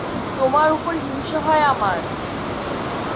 তোমার ওপর হিংসা হয় আমার।